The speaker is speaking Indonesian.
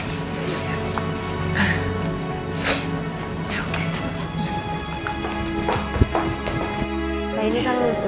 ini kan udah rapi